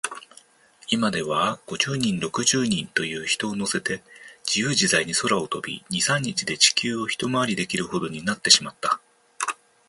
いまでは、五十人、六十人という人をのせて、じゆうじざいに空を飛び、二、三日で地球をひとまわりできるほどになってしまった。